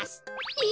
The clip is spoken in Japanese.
え？